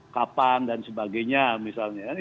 kapan dan sebagainya